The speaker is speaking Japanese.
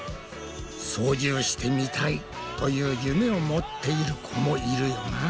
「操縦してみたい」という夢を持っている子もいるよな。